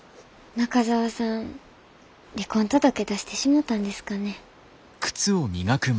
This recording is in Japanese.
中澤さん離婚届出してしもたんですかね。